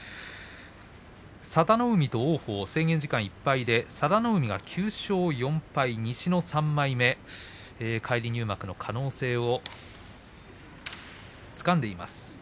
佐田の海と王鵬制限時間いっぱいで佐田の海が９勝４敗、西の３枚目返り入幕の可能性をつかんでいます。